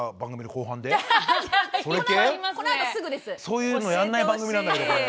そういうのやんない番組なんだけど。